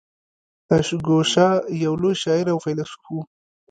اشواګوشا یو لوی شاعر او فیلسوف و